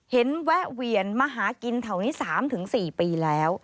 แวะเวียนมาหากินแถวนี้๓๔ปีแล้ว